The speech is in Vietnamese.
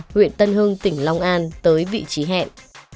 huyện tân hưng tỉnh long an tới vị trí hẹn